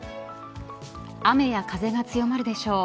雨や風が強まるでしょう。